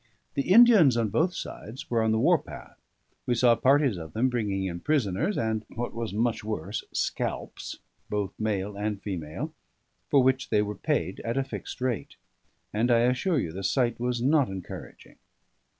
The Indians on both sides were on the war path; we saw parties of them bringing in prisoners and (what was much worse) scalps, both male and female, for which they were paid at a fixed rate; and I assure you the sight was not encouraging.